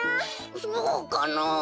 そうかな。